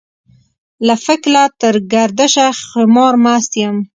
له فکله تر ګردشه خمار مست يم.